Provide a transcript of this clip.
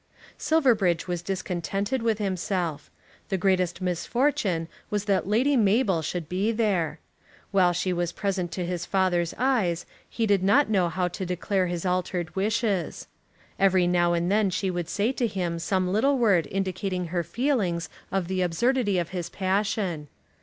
Silverbridge was discontented with himself. The greatest misfortune was that Lady Mabel should be there. While she was present to his father's eyes he did not know how to declare his altered wishes. Every now and then she would say to him some little word indicating her feelings of the absurdity of his passion.